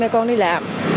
ba mươi con đi làm